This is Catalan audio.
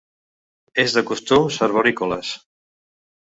És de costums arborícoles.